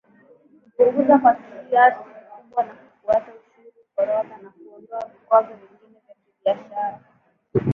kupunguza kwa kiasi kikubwa na kufuta ushuru forodha na kuondoa vikwazo vingine vya kibiashara